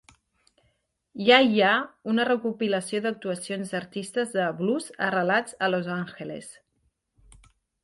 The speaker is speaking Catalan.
"Ya Ya", una recopilació d'actuacions d'artistes de blues arrelats a Los Angeles.